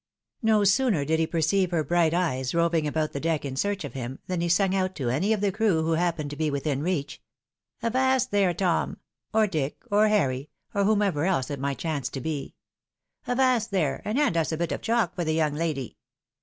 No sooner did he perceive her bright eyes roving about the deck in search of him, than he sung out to any of the crew who happened to be within reach, " Avast there, Tom !" or Dick, or Harry, or whomever else it might chance to be, " Avast there ! and hand us a bit of chalk for the young lady."